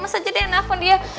mas aja deh nafas dia